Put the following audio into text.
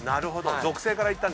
属性からいったんですね。